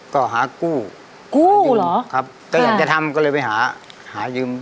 ก็หากู้ให้ยืมครับอยากจะทำก็เลยไปหาหายืมครับอยากจะทำก็เลยไปหาหายืม